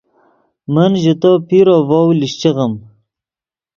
من ژے تو پیرو ڤؤ لیشچیغیم